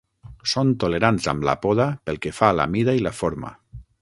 Són tolerants amb la poda pel que fa a la mida i la forma.